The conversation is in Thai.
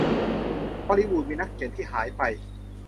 ฮอลลีวูดมีนักเขียนที่หายไป